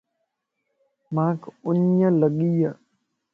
مانکَ اُنڃ لڳي ائي